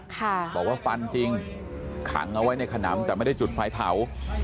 บอกว่าฟันจริงขังเอาไว้ในขนำแต่ไม่ได้จุดไฟเผา